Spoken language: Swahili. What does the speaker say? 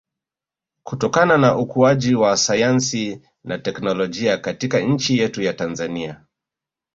kutokana na ukuaji wa sayansi na technolojia katika nchi yetu ya Tanzania